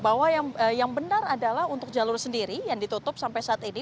bahwa yang benar adalah untuk jalur sendiri yang ditutup sampai saat ini